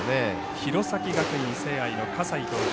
弘前学院聖愛、葛西投手。